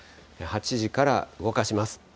８時から動かします。